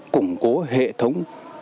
củng cố hệ thống